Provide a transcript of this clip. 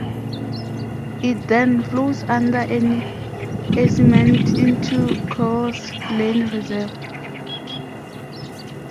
It then flows under an easement into Cowells Lane Reserve.